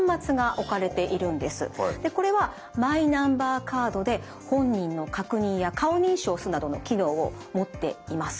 これはマイナンバーカードで本人の確認や顔認証をするなどの機能を持っています。